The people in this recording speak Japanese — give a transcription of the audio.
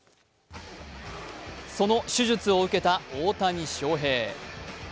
その手術を受けた大谷翔平。